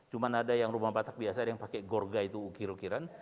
cuma ada yang rumah batak biasa orang pake gorga itu ukir ukiran